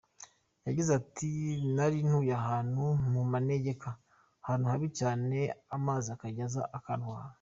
Yagize ati “Nari ntuye ahantu mu manegeka ahantu habi cyane, amazi akajya aza akantwara.